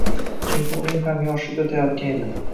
Chunki uning ham yoshligi o‘tayotgan edi…